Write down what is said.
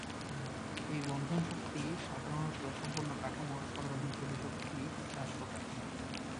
এই বন্ধন শক্তি সাধারণত সম্পূর্ণ কাঠামোর সর্বাধিক গতিশক্তি হ্রাস ঘটায়।